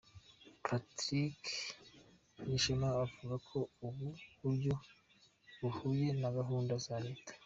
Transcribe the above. Patrick Nyirishema, avuga ko ubu buryo buhuye na gahunda za Leta.